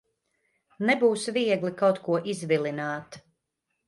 Nebūs viegli kaut ko izvilināt.